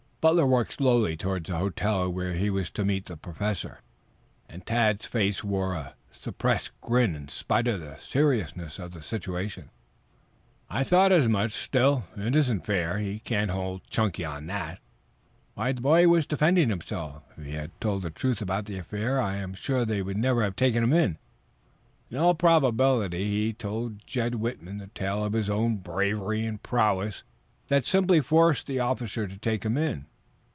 Butler walked slowly towards the hotel where he was to meet the Professor, and Tad's face wore a suppressed grin in spite of the seriousness of the situation. "I thought as much. Still, it isn't fair. He can't hold Chunky on that. Why, the boy was defending himself. If he had told the truth about the affair I am sure they never would have taken him. In all probability he told Jed Whitman a tale of his own bravery and prowess that simply forced that officer to take him in.